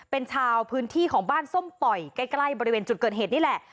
เป็นชาวพื้นที่ของบ้านส้มป่อยใกล้บริเวณจุดเกิดเหตุนี่แหละ